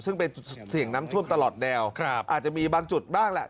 ซึ่งเป็นเสี่ยงน้ำท่วมตลอดแนวอาจจะมีบางจุดบ้างแหละ